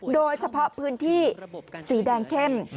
โดยเฉพาะพื้นที่สีแดงเข้ม